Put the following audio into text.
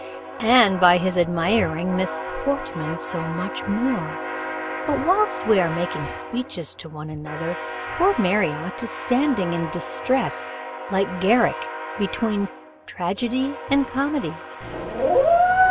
"And by his admiring Miss Portman so much more. But whilst we are making speeches to one another, poor Marriott is standing in distress, like Garrick, between tragedy and comedy."